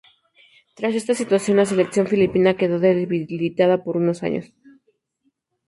Tras esta situación la selección filipina quedó debilitada por unos años.